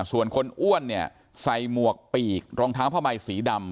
ส่วนคนอ้วนเนี่ยใส่หมวกปีกรองเท้าผ้าใบสีดำ